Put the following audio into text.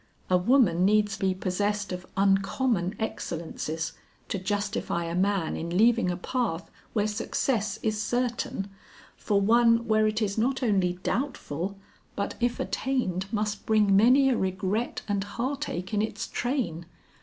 "A woman needs be possessed of uncommon excellences to justify a man in leaving a path where success is certain, for one where it is not only doubtful but if attained must bring many a regret and heart ache in its train.